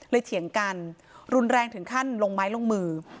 เถียงกันรุนแรงถึงขั้นลงไม้ลงมือ